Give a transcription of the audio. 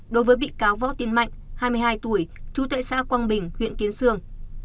đối với bị cáo võ tiên mạnh hai mươi hai tuổi chú tệ xã quang bình huyện kiến sương